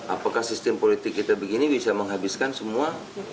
apakah sistem politik kita begini bisa menghabiskan semua